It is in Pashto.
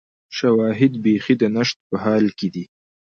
شواهد بیخي د نشت په حال کې دي